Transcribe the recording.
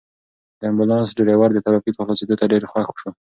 د امبولانس ډرېور د ترافیکو خلاصېدو ته ډېر خوښ شو.